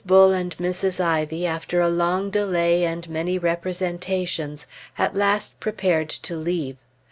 Bull and Mrs. Ivy, after a long delay and many representations, at last prepared to leave.